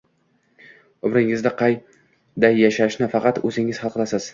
Umringizni qanday yashashni faqat o’zingiz hal qilasiz